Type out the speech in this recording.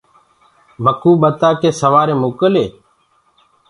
مڪوُ ڀتآن ڪي سوري موڪل هي۔